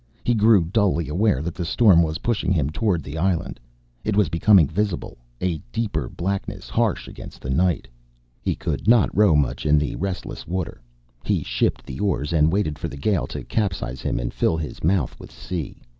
He grew dully aware that the storm was pushing him toward the island. It was becoming visible, a deeper blackness harsh against the night. He could not row much in the restless water, he shipped the oars and waited for the gale to capsize him and fill his mouth with the sea.